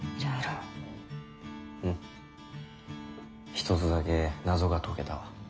一つだけ謎が解けたわ。